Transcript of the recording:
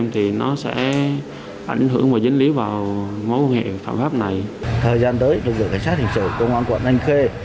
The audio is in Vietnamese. thời gian tới đội vực cảnh sát hình sự công an quận thanh khê